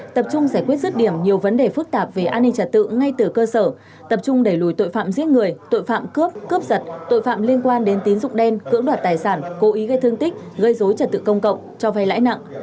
tập trung giải quyết rứt điểm nhiều vấn đề phức tạp về an ninh trật tự ngay từ cơ sở tập trung đẩy lùi tội phạm giết người tội phạm cướp cướp giật tội phạm liên quan đến tín dụng đen cưỡng đoạt tài sản cố ý gây thương tích gây dối trật tự công cộng cho vay lãi nặng